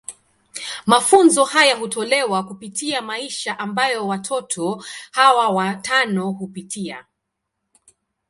Mafunzo haya hutolewa kupitia maisha ambayo watoto hawa watano hupitia.